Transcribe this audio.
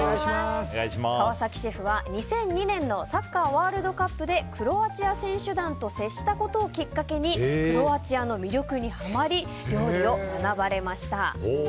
川崎シェフは２００２年のサッカーワールドカップでクロアチア選手団と接したことをきっかけにクロアチアの魅力にハマり料理を学ばれました。